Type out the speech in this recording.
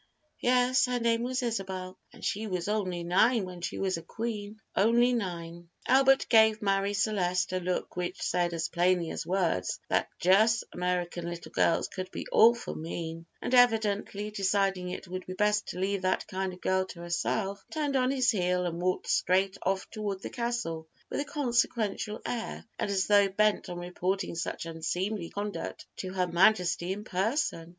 "Yes, her name was Isabel." "And she was only nine when she was a queen." "Only nine." Albert gave Marie Celeste a look which said as plainly as words: "That jus' American little girls could be awful mean," and evidently deciding it would be best to leave that kind of a girl to herself, turned on his heel and walked straight off toward the castle with a consequential air, and as though bent on reporting such unseemly conduct to Her Majesty in person.